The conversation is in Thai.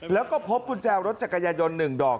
แล้วก็พบกุญแจรถจักรยายน๑ดอก